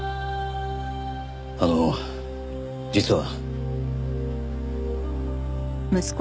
あの実は。